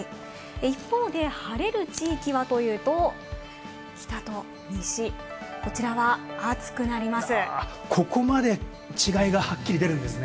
一方で晴れる地域はというと、あと西、こちらは暑くなります。